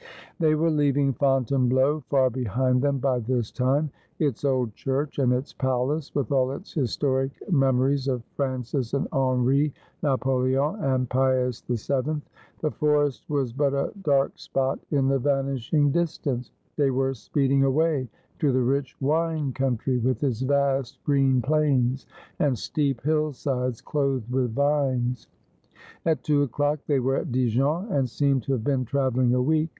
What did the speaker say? They were leaving Fontainebleau far behind them by this time ; its old church, and its palace, with all its historic memo ries of Francis and Henri, Napoleon and Pius VII. The forest was but a dark spot in the vanishing distance ; they were speed ing away to the rich wine country with its vast green plains, and steep hill sides clothed with vines. At two o'clock they were at Dijon, and seemed to have been travelling a week.